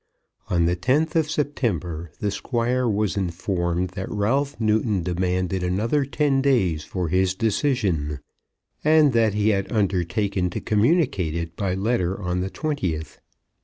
On the 10th of September the Squire was informed that Ralph Newton demanded another ten days for his decision, and that he had undertaken to communicate it by letter on the 20th.